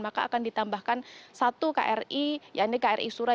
maka akan ditambahkan satu kri ya ini kri sura